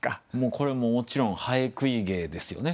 これもちろん蠅食ひ芸ですよね。